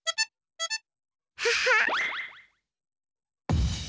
ハハ！